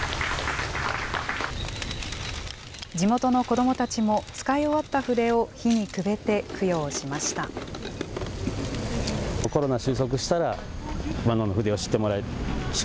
地元の子どもたちも使い終わった筆を火にくべて供養しました。